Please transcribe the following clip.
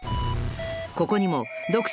［ここにも］